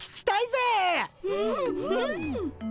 うんうん。